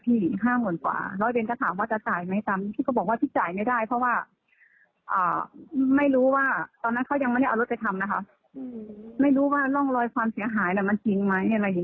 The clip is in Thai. ไม่รู้ว่าร่องรอยความเสียหายมันจริงไหมอะไรอย่างนี้ค่ะ